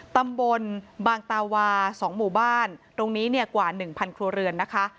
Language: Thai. ตำบลบางตาวา๒หมู่บ้านตรงนี้เนี่ยกว่า๑๐๐ครัวเรือนนะคะ